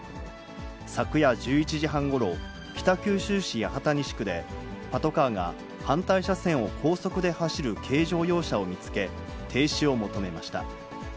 昨夜１１時半ごろ、北九州市八幡西区で、パトカーが反対車線を高速で走る軽乗用車を見つけ、停止を求めました。